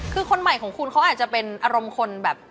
คือคนใหม่ของคุณเขาอาจจะเป็นอารมณ์คนแบบ